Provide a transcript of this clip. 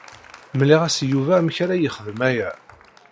Mliɣ-as i Yuba amek ara yexdem aya.